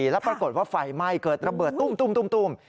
แล้วปรากฏว่าไฟไหม้เกิดระเบิดตุ้ม